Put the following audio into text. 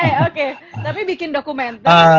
oke oke tapi bikin dokumenter